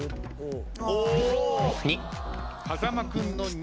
２。